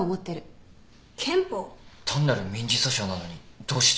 単なる民事訴訟なのにどうして。